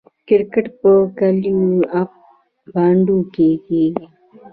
کرکټ په کلیو او بانډو کې کیږي.